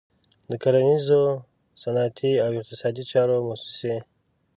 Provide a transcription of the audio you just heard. د کرنیزو، صنعتي او اقتصادي چارو موسسې.